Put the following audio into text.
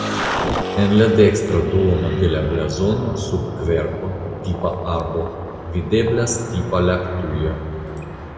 En la dekstra duono de la blazono sub kverko (tipa arbo) videblas tipa laktujo.